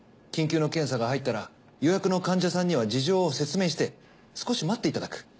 緊急の検査が入ったら予約の患者さんには事情を説明して少し待っていただく。